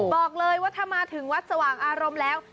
บอกเลยว่าถ้ามาถึงวัดสว่างอารมณ์แล้ว